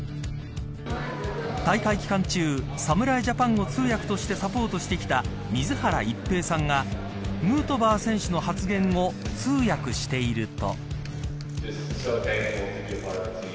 大会期間中侍ジャパンを通訳としてサポートしてきた水原一平さんがヌートバー選手の発言を通訳していると。